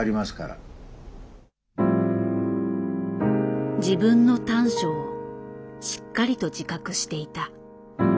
あのね自分の短所をしっかりと自覚していた。